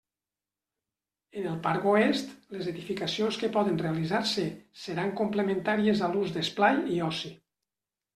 En el parc oest, les edificacions que poden realitzar-se seran complementàries a l'ús d'esplai i oci.